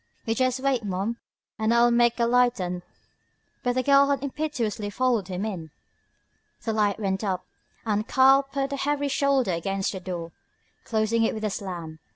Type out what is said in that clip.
"Yo' jes' wait, ma'am, an' I'll mek a light an' " But the girl had impetuously followed him in. The light went up, and Karl put a heavy shoulder against the door, closing it with a slam.